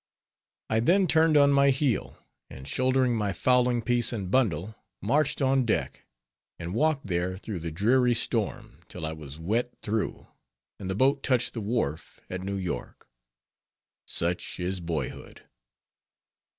I then turned on my heel, and shouldering my fowling piece and bundle, marched on deck, and walked there through the dreary storm, till I was wet through, and the boat touched the wharf at New York. Such is boyhood.